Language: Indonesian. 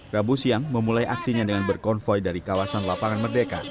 rabu siang memulai aksinya dengan berkonvoy dari kawasan lapangan merdeka